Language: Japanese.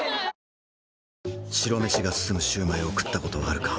白飯が進むシュウマイを食ったことはあるか？